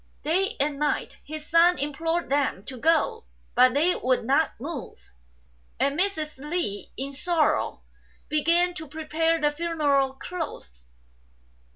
Day and night his son implored them to go, but they would not move ; and Mrs. Li in sorrow began to prepare the funeral clothes.